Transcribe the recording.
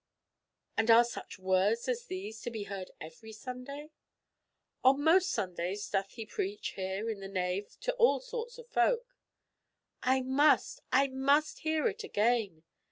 "And are such words as these to be heard every Sunday?" "On most Sundays doth he preach here in the nave to all sorts of folk." "I must—I must hear it again!"